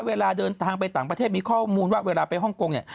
เวลาเดินทางไปต่างประเทศมีข้อมูลว่าเวลาไปฮ่องกงเนี่ย